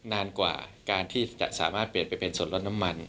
นานกว่าการที่จะสามารถเปลี่ยนไปเป็นส่วนลดน้ำมัน